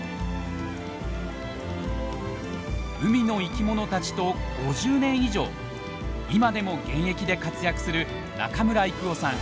海の生きものたちと５０年以上今でも現役で活躍する中村征夫さん。